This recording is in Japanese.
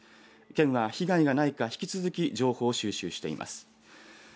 県は被害がないか引き続き情報を収集しています。